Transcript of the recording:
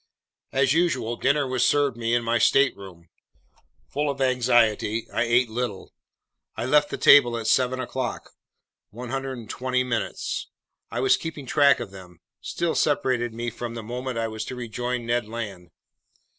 As usual, dinner was served me in my stateroom. Full of anxiety, I ate little. I left the table at seven o'clock. 120 minutes—I was keeping track of them—still separated me from the moment I was to rejoin Ned Land.